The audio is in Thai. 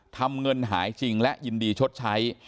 ทำเงินหายจริงและยินดีชดใช้